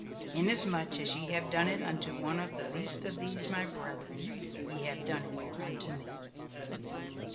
"Inasmuch as ye have done it unto one of the least of these My brethren, ye have done it unto Me."